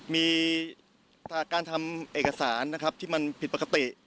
มีการทำเอกสารที่มันผิดปกติ